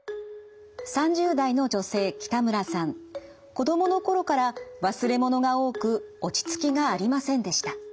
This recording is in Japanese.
子どもの頃から忘れ物が多く落ち着きがありませんでした。